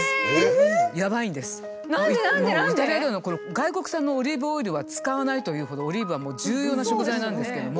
外国産のオリーブオイルは使わないというほどオリーブはもう重要な食材なんですけども。